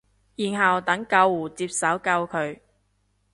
然後等救護接手救佢